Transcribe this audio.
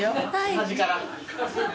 端から。